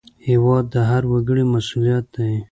هېواد د هر وګړي مسوولیت دی.